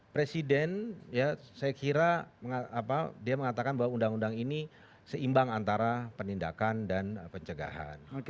presiden ya saya kira dia mengatakan bahwa undang undang ini seimbang antara penindakan dan pencegahan